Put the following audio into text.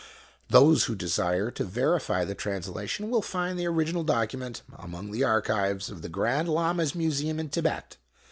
Those who desire to verify the translation will find the original document amono the archives of the Grand Lama's Museum in o Tibet.